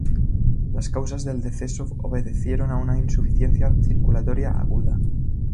Las causas del deceso obedecieron a una insuficiencia circulatoria aguda